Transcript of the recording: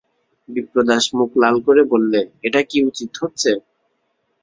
বিপ্রদাস মুখ লাল করে বললে, এটা কি উচিত হচ্ছে?